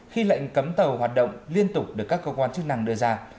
khi lệnh cấm tàu hoạt động liên tục được các cơ quan chức năng đưa ra